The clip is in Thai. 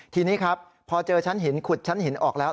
ทีนี้ครับพอเจอชั้นหินขุดชั้นหินออกแล้ว